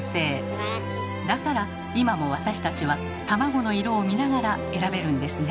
だから今も私たちは卵の色を見ながら選べるんですね。